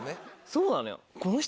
そうなのよ。